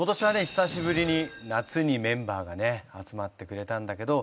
久しぶりに夏にメンバーがね集まってくれたんだけど。